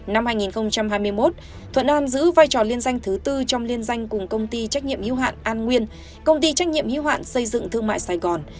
năm hai nghìn hai mươi một thuận an giữ vai trò liên danh thứ tư trong liên danh cùng công ty trách nhiệm hữu hạn an nguyên công ty trách nhiệm hữu hạn xây dựng thương mại sài gòn